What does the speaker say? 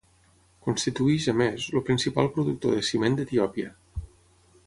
Constitueix, a més, el principal productor de ciment d'Etiòpia.